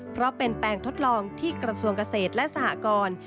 เพราะเป็นแปลงทดลองที่กระทรวงเกษตรและสหกร